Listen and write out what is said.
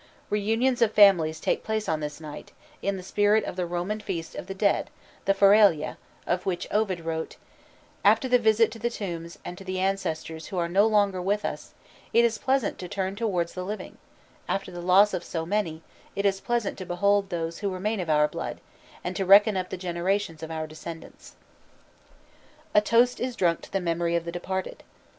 Reunions of families take place on this night, in the spirit of the Roman feast of the dead, the Feralia, of which Ovid wrote: "After the visit to the tombs and to the ancestors who are no longer with us, it is pleasant to turn towards the living; after the loss of so many, it is pleasant to behold those who remain of our blood, and to reckon up the generations of our descendants." Fasti. A toast is drunk to the memory of the departed.